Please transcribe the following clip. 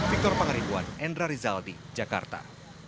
pancor pangarikuan endra rizal di jakarta